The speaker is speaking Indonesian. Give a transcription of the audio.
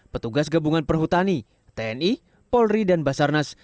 petugas gabungan perhutani tni polri dan basarnas